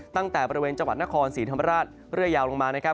ตั้งแต่บริเวณจังหวัดนครศรีธรรมราชเรื่อยยาวลงมานะครับ